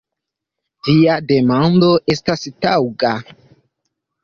Via demando estas taŭga.